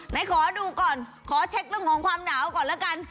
ไหนขอดูก่อนขอเช็คเรื่องของความหนาวก่อนแล้วกัน